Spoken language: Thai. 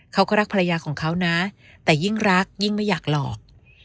เขาก็รักภรรยาของเขานะแต่ยิ่งรักยิ่งไม่อยากหลอก